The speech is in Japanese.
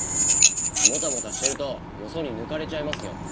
モタモタしてるとよそに抜かれちゃいますよ！